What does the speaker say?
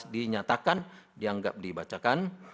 dinyatakan dianggap dibacakan